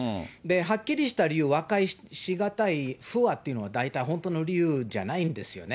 はっきりした理由、和解し難い不和っていうの、大体本当の理由じゃないんですよね。